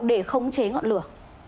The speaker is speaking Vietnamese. để không chế ngọn lửa